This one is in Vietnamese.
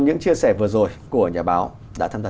những chia sẻ vừa rồi của nhà báo đã tham gia